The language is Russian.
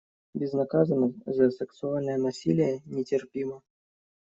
Безнаказанность за сексуальное насилие нетерпима.